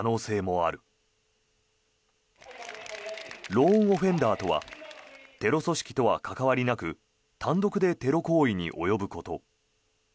ローンオフェンダーとはテロ組織とは関わりなく単独でテロ行為に及ぶこと。